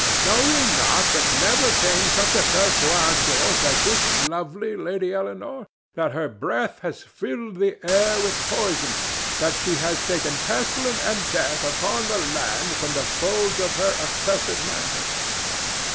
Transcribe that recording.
Know ye not that never came such a curse to our shores as this lovely Lady Eleanore, that her breath has filled the air with poison, that she has shaken pestilence and death upon the land from the folds of her accursed mantle?"